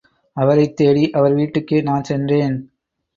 அவரைத் தேடி அவர் வீட்டுக்கே நான் சென்றேன்.